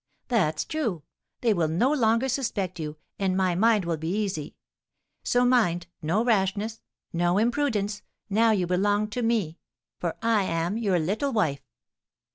"That's true; they will no longer suspect you, and my mind will be easy. So mind, no rashness, no imprudence, now you belong to me, for I am your little wife."